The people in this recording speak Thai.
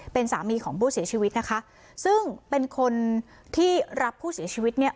เป็นสามีของผู้เสียชีวิตนะคะซึ่งเป็นคนที่รับผู้เสียชีวิตเนี่ย